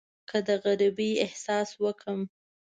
که د غریبۍ احساس وکړم.